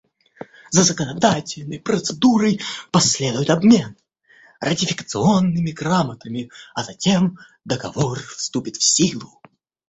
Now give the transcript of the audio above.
За законодательной процедурой последует обмен ратификационными грамотами, а затем Договор вступит в силу.